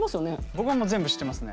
僕はもう全部知ってますね。